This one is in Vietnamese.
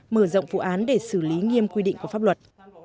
mở rộng vụ án để xử lý nghiêm quy định của pháp luật